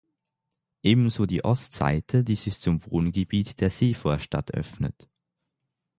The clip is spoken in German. Ebenso die Ostseite, die sich zum Wohngebiet der Seevorstadt öffnet.